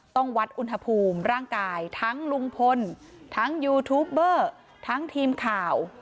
ต้องวัดอุณหภูมิร่างกายทั้งลุงพลทั้งยูทูปเบอร์ทั้งทีมข่าว